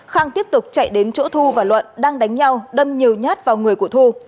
khang tiếp tục chạy đến chỗ thu và luận đang đánh nhau đâm nhiều nhát vào người của thu